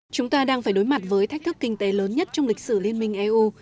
chúng ta đang phải đối mặt với thách thức kinh tế lớn nhất trong lịch sử liên minh eu